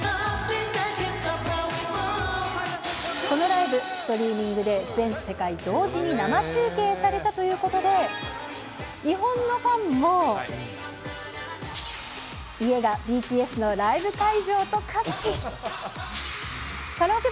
このライブ、ストリーミングで全世界同時に生中継されたということで、日本のファンも、家がＢＴＳのライブ会場と化している！